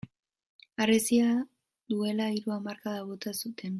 Harresia duela hiru hamarkada bota zuten.